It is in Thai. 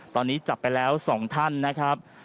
ตอนนี้จับไปแล้ว๒ท่านนะครับ